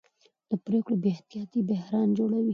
د پرېکړو بې احتیاطي بحران جوړوي